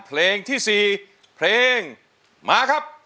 เพลงที่๔เพลงมาครับ